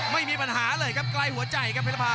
ไม่มีปัญหาเลยครับใกล้หัวใจครับเพชรภา